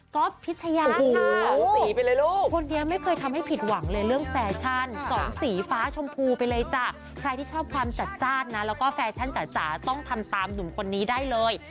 ก็พิชยาคนนี้ไม่เคยทำให้ผิดหวังเลยเรื่องแฟชั่นสองสีฟ้าชมพูไปเลยจ้ะใครที่ชอบความจัดจ้านนะแล้วก็แฟชั่นจ๋าต้องทำตามหนุ่มคนนี้ได้เลย